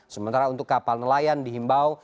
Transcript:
sementara untuk kapal nelayan dihimbau